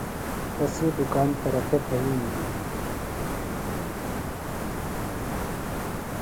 تسی دُکان ترقیۡ تھئیم گی۔